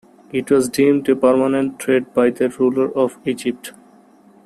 It was deemed a permanent threat by the rulers of Egypt.